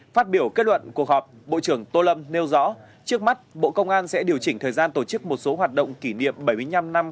phát biểu kết luận cuộc họp bộ trưởng tô lâm nêu rõ trước mắt bộ công an sẽ điều chỉnh thời gian tổ chức một số hoạt động kỷ niệm bảy mươi năm năm